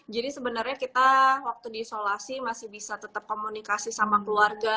jadi sebenarnya kita waktu diisolasi masih bisa tetap komunikasi sama keluarga